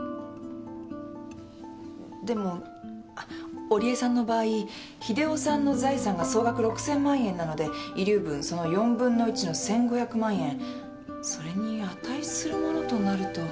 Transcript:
でもあっ織江さんの場合秀雄さんの財産が総額６，０００万円なので遺留分その４分の１の１，５００万円それに値する物となると。